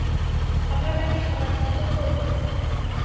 আমরা তাকে সমাধিস্থ করব না।